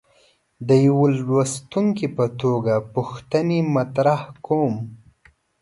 د یوه لوستونکي په توګه پوښتنې مطرح کوم.